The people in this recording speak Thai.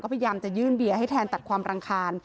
พยายามจะยื่นเบียร์ให้แทนตัดความรำคาญ